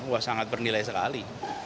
wah sangat bernilai sekali